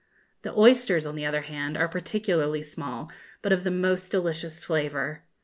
The oysters, on the other hand, are particularly small, but of the most delicious flavour.